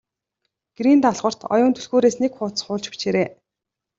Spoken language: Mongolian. Гэрийн даалгаварт Оюун түлхүүрээс нэг хуудас хуулж бичээрэй.